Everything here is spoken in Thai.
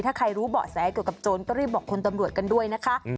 ถ้าใครรู้เบาะแสเกี่ยวกับโจรก็รีบบอกคุณตำรวจกันด้วยนะคะ